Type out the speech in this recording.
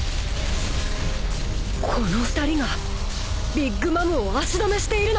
この２人がビッグ・マムを足止めしているのか